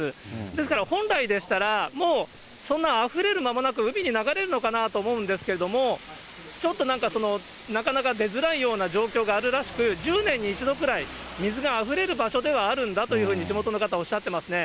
ですから、本来でしたら、もうそんなあふれる間もなく、海に流れるのかなと思うんですけれども、ちょっとなんかなかなか出づらいような状況があるらしく、１０年に１度くらい水があふれる場所ではあるんだというふうに、地元の方はおっしゃってますね。